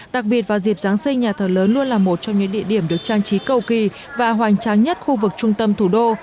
đặc biệt vào dịp giáng sinh nhà thờ lớn luôn là một trong những địa điểm được trang trí cầu kỳ và hoành tráng nhất khu vực trung tâm thủ đô